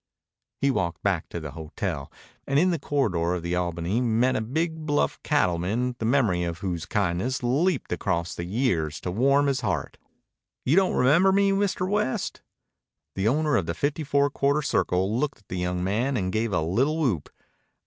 He walked back to the hotel, and in the corridor of the Albany met a big bluff cattleman the memory of whose kindness leaped across the years to warm his heart. "You don't remember me, Mr. West?" The owner of the Fifty Four Quarter Circle looked at the young man and gave a little whoop.